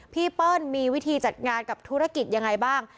เปิ้ลมีวิธีจัดงานกับธุรกิจยังไงบ้าง